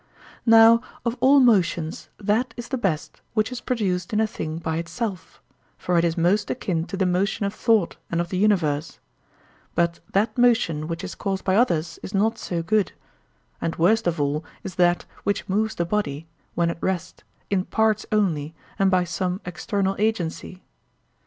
Now of all motions that is the best which is produced in a thing by itself, for it is most akin to the motion of thought and of the universe; but that motion which is caused by others is not so good, and worst of all is that which moves the body, when at rest, in parts only and by some external agency.